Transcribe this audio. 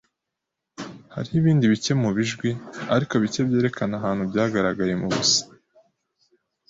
Hariho ibindi bike mubijwi ariko bike byerekana ahantu byagaragaye mubusa